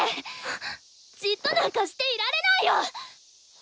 じっとなんかしていられないよ！